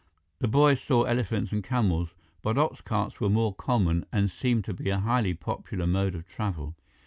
The boys saw elephants and camels, but ox carts were more common and seemed to be a highly popular mode of travel.